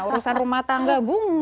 urusan rumah tangga bung